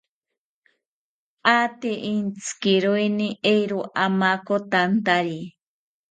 Ate entzikiroeni, eero amakotantari